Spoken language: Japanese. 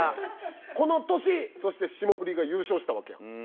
この年そして霜降りが優勝したわけやん。